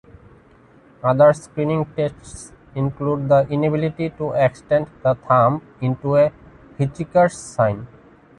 Other screening tests include the inability to extend the thumb into a "Hitchhiker's sign".